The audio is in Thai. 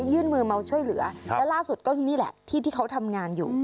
ยื่นมือมาช่วยเหลือและล่าสุดก็นี่แหละที่ที่เขาทำงานอยู่